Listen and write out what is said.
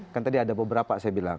kan tadi ada beberapa saya bilang